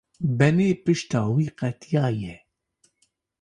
Benê pişta wî qetiyaye.